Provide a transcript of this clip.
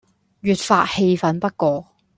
越發氣憤不過，